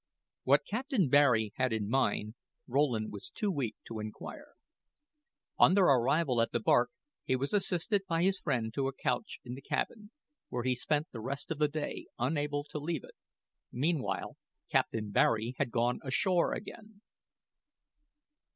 What Captain Barry had in mind, Rowland was too weak to inquire. On their arrival at the bark he was assisted by his friend to a couch in the cabin, where he spent the rest of the day, unable to leave it. Meanwhile, Captain Barry had gone ashore again.